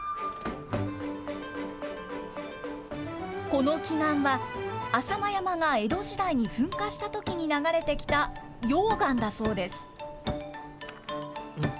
この奇岩は、浅間山が江戸時代に噴火したときに流れてきた溶岩だそうです。